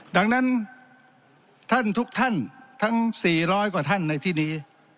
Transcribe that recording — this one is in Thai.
ดังนั้นท่านทุกท่านทั้ง๔๐๐กว่าท่านในที่นี้